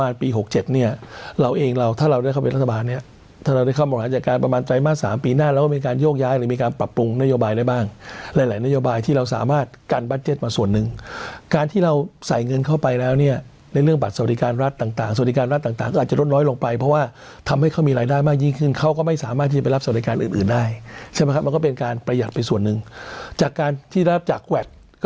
ที่เราสามารถกันบัตเจ็ตมาส่วนหนึ่งการที่เราใส่เงินเข้าไปแล้วเนี้ยในเรื่องบัตรสวัสดิการรัฐต่างต่างสวัสดิการรัฐต่างต่างก็อาจจะลดน้อยลงไปเพราะว่าทำให้เขามีรายได้มากยิ่งขึ้นเขาก็ไม่สามารถที่จะไปรับสวัสดิการอื่นอื่นได้ใช่ไหมครับมันก็เป็นการประหยัดเป็นส่วนหนึ่งจากการที่รับจากแวดก